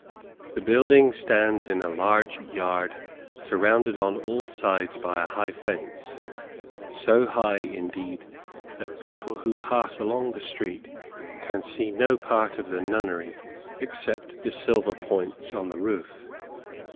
The building stands in a large yard, surrounded on all sides by a high fence, so high indeed, that people who pass along the street can see no part of the nunnery except the silver points on the roof.